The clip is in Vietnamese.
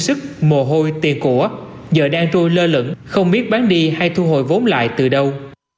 ủa giờ đang trôi lơ lửng không biết bán đi hay thu hồi vốn lại từ đâu